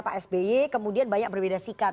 pak sby kemudian banyak berbeda sikap